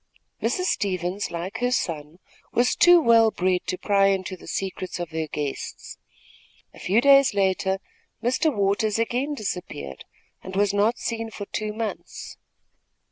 Mrs. Stevens, like her son, was too well bred to pry into the secrets of her guests. A few days later Mr. Waters again disappeared and was not seen for two months.